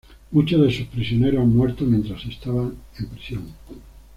Muchos de sus prisioneros han muerto mientras estaba en prisión.